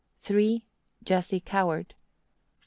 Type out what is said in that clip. Jesse Coward. 4.